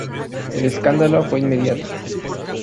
El escándalo fue inmediato.